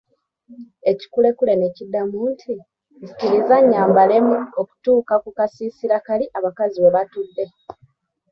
Ekikulekule ne kiddamu nti, nzikiriza nnyambalemu okutuuka ku kasiisira kali abakazi we batudde.